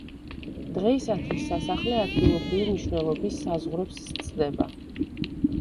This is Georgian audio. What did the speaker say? დღეისათვის, სასახლე ადგილობრივი მნიშვნელობის საზღვრებს სცდება.